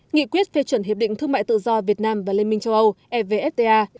nghị quyết phê chuẩn hiệp định thương mại tự do việt nam và liên minh châu âu evfta